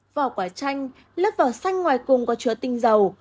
vỏ quả chanh lớp vỏ xanh ngoài cùng có chứa tinh dầu